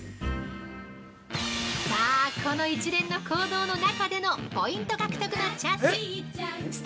さあ、この一連の行動の中でのポイント獲得のチャンス